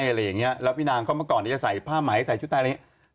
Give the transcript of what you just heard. อะไรอย่างเงี้ยแล้วพี่นางก็เมื่อก่อนนี้จะใส่ผ้าไหมใส่ชุดไทยอะไรอย่างนี้